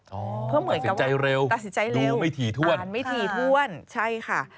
อ๋อตัดสินใจเร็วดูไม่ถี่ถ้วนอ่านไม่ถี่ถ้วนใช่ค่ะ